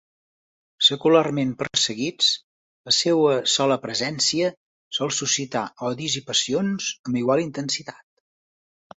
Secularment perseguits, la seua sola presència sol suscitar odis i passions amb igual intensitat.